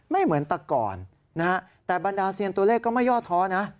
ไม่เหมือนตะก่อนนะฮะแต่บรรดาเซียนตัวเลขก็ไม่ย่อท้อนะ